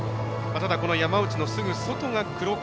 ただ、この山内のすぐ外が黒川。